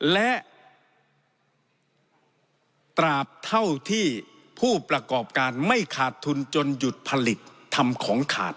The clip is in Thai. และตราบเท่าที่ผู้ประกอบการไม่ขาดทุนจนหยุดผลิตทำของขาด